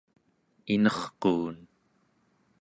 inerquun